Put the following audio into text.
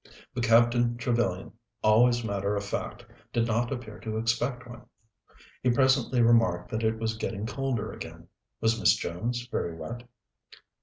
But Captain Trevellyan, always matter of fact, did not appear to expect one. He presently remarked that it was getting colder again. Was Miss Jones very wet?